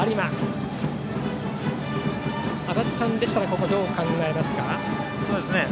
足達さんでしたらここ、どう考えますか。